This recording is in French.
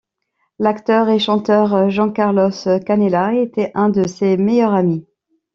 L'acteur et chanteur Jencarlos Canela était un de ses meilleurs amis.